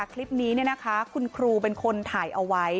คลิปนี้เนี่ยนะคะคุณครูเป็นคนถ่ายเอาไว้